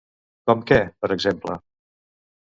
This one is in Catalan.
Com què, per exemple?